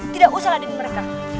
tidak usah lading mereka